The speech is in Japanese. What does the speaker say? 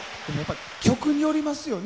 曲によりますよね。